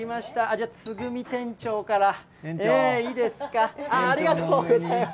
じゃあ、つぐみ店長から、いいですか、ありがとうございます。